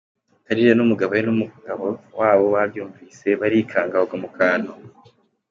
" Kalira n’umugabo we n’umugabo wabo babyumvise barikanga bagwa mu kantu.